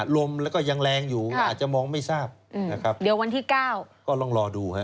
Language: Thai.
ลมแล้วก็ยังแรงอยู่อาจจะมองไม่ทราบนะครับเดี๋ยววันที่เก้าก็ลองรอดูฮะ